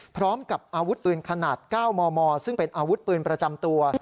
พร้อมกับอาวุธปืนขนาด๙มมซึ่งเป็นอาวุธปืนประจำตัว